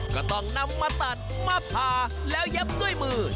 ก็ต้องนำมาตัดมาผ่าแล้วเย็บด้วยมือ